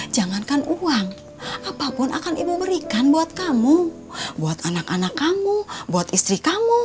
jangankan uang apapun akan ibu berikan buat kamu buat anak anak kamu buat istri kamu